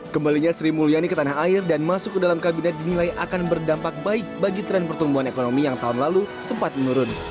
kembalinya sri mulyani ke tanah air dan masuk ke dalam kabinet dinilai akan berdampak baik bagi tren pertumbuhan ekonomi yang tahun lalu sempat menurun